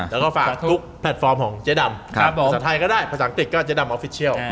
แล้วก็ฝากทุกแพลตฟอร์มของเจ๊ดำภาษาไทยก็ได้ภาษาอังกฤษก็เจ๊ดำออฟฟิเชียล